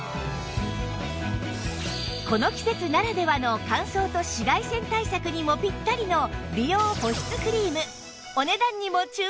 この季節ならではの乾燥と紫外線対策にもピッタリの美容保湿クリーム